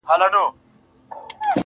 د کلي دې ظالم ملا سيتار مات کړی دی~